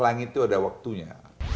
langit itu ada waktunya